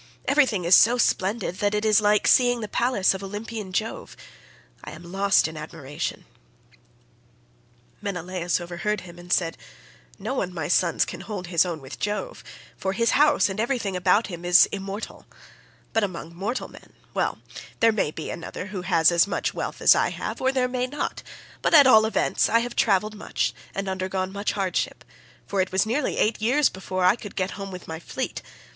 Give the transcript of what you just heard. Everything is so splendid that it is like seeing the palace of Olympian Jove. I am lost in admiration." Menelaus overheard him and said, "No one, my sons, can hold his own with Jove, for his house and everything about him is immortal; but among mortal men—well, there may be another who has as much wealth as I have, or there may not; but at all events I have travelled much and have undergone much hardship, for it was nearly eight years before I could get home with my fleet.